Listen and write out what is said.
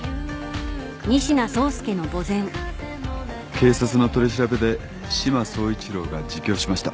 警察の取り調べで志摩総一郎が自供しました。